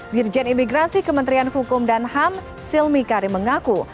dirjen imigrasi kementerian hukum dan ham silmi karim mengaku